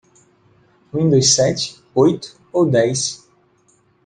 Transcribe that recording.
Windows sete, oito ou dez.